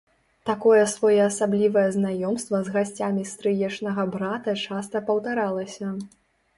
Такое своеасаблівае знаёмства з гасцямі стрыечнага брата часта паўтаралася.